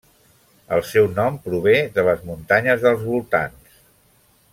El seu nom prové de les muntanyes dels voltants.